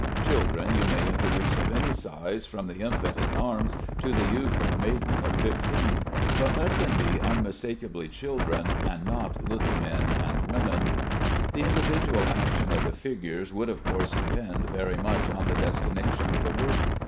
Children you may introduce of any size, from the infant in arms to the youth or maiden of fifteen; but let them be unmistakably children, and not little men and women. The individual action of the figures would of course depend very much on the destination of the work.